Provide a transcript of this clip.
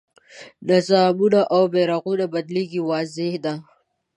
نظامونه او بیرغونه بدلېږي واضح ده.